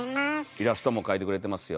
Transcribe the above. イラストも描いてくれてますよ。